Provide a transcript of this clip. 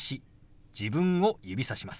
自分を指さします。